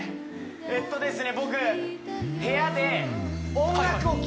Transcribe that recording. えっとですね